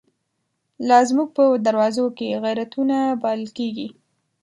لازموږ په دروازوکی، غیرتونه پالل کیږی